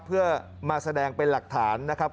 เพื่อมาแสดงเป็นหลักฐานนะครับ